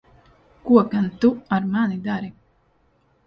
Ko gan tu ar mani dari?